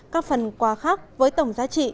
các phần quà khác với tổng giá trị